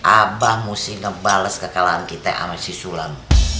abah mesti ngebales kekalahan kita sama si sulam